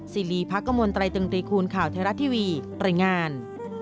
ซีรีส์พระกำลังไตรตึงตรีคูณข่าวเทราะทีวีปริงาน